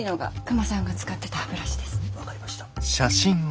分かりました。